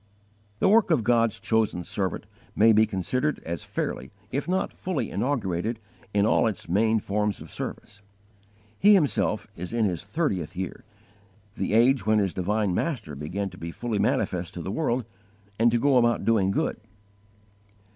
The work of God's chosen servant may be considered as fairly if not fully inaugurated in all its main forms of service. He himself is in his thirtieth year, the age when his divine Master began to be fully manifest to the world and to go about doing good.